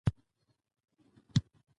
افغانستان په چنګلونه غني دی.